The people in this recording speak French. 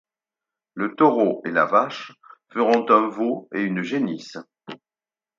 Le taureau et la vache feront un veau et une génisse.